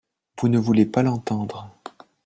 Vous ne voulez pas l’entendre.